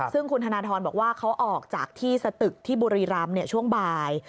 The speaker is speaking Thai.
ซึ่งคุณธนทรบอกว่าเขาออกจากที่สตึกที่บุรีรำช่วงบ่าย